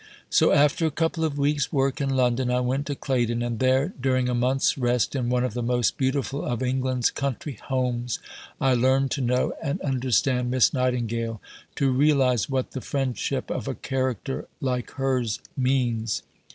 So after a couple of weeks' work in London, I went to Claydon, and there, during a month's rest in one of the most beautiful of England's country homes, I learned to know and understand Miss Nightingale, to realize what the friendship of a character like hers means.